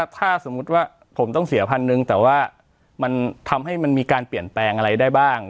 ถ้าสมมุติว่าผมต้องเสียพันหนึ่งแต่ว่ามันทำให้มันมีการเปลี่ยนแปลงอะไรได้บ้าง